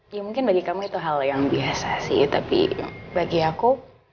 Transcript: ya mungkin bagi kamu itu hal yang biasa sih tapi bagi aku